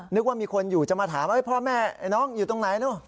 นึกว่ามีคนอยู่จะมาถามพ่อแม่น้องอยู่ตรงไหนเนอะ